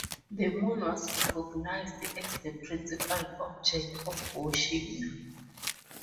The moon was recognized as the principal object of worship.